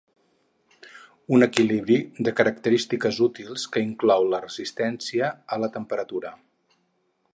Un equilibri de característiques útils que inclou la resistència a la temperatura.